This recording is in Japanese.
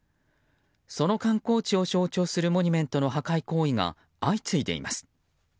その観光地を象徴するモニュメントの破壊行為が相次いでいます。